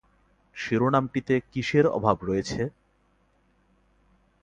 শিরোনামটিতে কিসের অভাব রয়েছে?